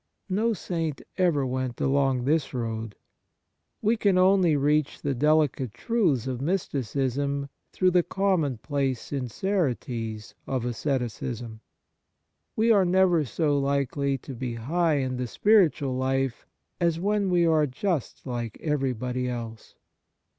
No saint ever went along this road. We can only reach the delicate truths of mysticism through the common place sincerities of asceticism. We are never so likely to be high in the spiritual life as when we are just like everybody else.